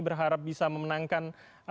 berharap bisa memenangkan